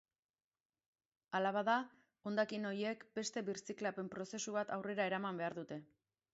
Hala bada, hondakin horiek beste birziklapen prozesu bat aurrera eraman behar dute.